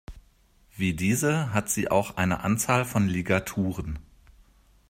Wie diese hat sie auch eine Anzahl von Ligaturen.